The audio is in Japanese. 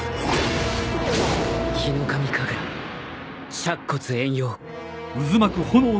ヒノカミ神楽灼骨炎陽